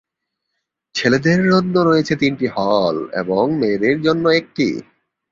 ছেলেদের জন্য রয়েছে তিনটি হল এবং মেয়েদের জন্য একটি।